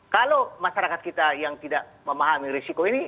kalau masyarakat kita yang tidak memahami risiko ini